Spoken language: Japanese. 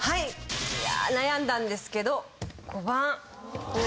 いや悩んだんですけど５番。